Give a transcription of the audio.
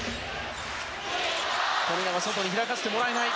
富永外に開かせてもらえない。